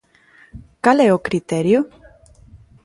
Cal é o criterio?